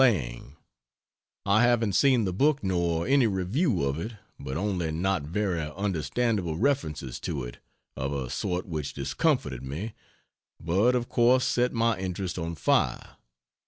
LANG, I haven't seen the book nor any review of it, but only not very understandable references to it of a sort which discomforted me, but of course set my interest on fire.